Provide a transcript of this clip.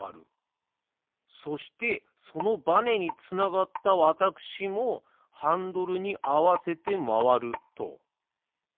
そしてそのバネにつながったわたくしもハンドルにあわせてまわると。